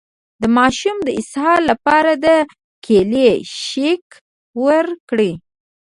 د ماشوم د اسهال لپاره د کیلي شیک ورکړئ